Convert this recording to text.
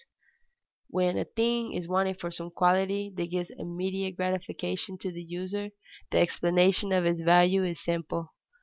_ When a thing is wanted for some quality that gives immediate gratification to the user, the explanation of its value is simple.